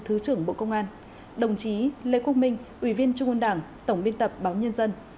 thứ trưởng bộ công an đồng chí lê quốc minh ủy viên trung ương đảng tổng biên tập báo nhân dân